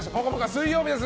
水曜日です。